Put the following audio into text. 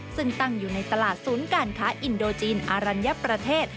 ซึ่งตั้งอยู่ในตลาดศูนย์การค้าอินโดจีนอรัญญประเทศ